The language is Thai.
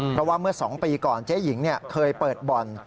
เพราะว่าเมื่อ๒ปีก่อนเจ๊หญิงเคยเปิดบ่อน